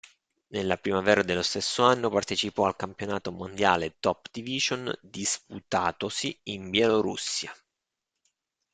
Nella primavera dello stesso anno partecipò al campionato mondiale Top Division disputatosi in Bielorussia.